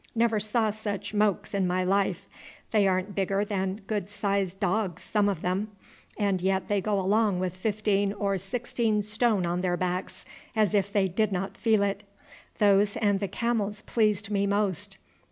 Never saw such mokes in my life. They ain't bigger than good sized dogs some of them, and yet they go along with fifteen or sixteen stone on their backs as if they did not feel it. Those and the camels pleased me most.